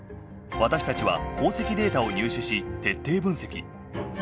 私たちは航跡データを入手し徹底分析。